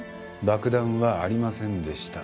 爆弾はありませんでした。